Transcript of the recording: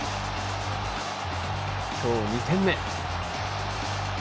今日２点目。